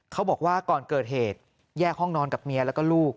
เขาบอกว่าก่อนเกิดเหตุแยกห้องนอนกับเมียแล้วก็ลูก